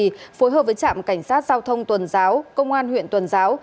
phối hợp với trạm cảnh sát giao thông tuần giáo công an huyện tuần giáo